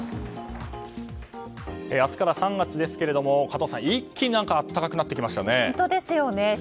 明日から３月ですけれども加藤さん、一気に暖かくなってきましたよね。